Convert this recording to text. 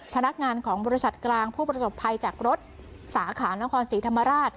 พนักงานของบริษัทกลางผู้ประสบภัยจากรถสาขานครศรีธรรมราช